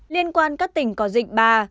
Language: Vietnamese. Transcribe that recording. liên quan các tỉnh có dịch ba